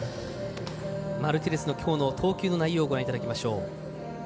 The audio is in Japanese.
マルティネスのきょうの投球内容をご覧いただきましょう。